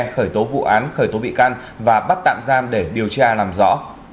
khởi tố vụ án khởi tố bị can và bắt tạm giam để điều tra làm rõ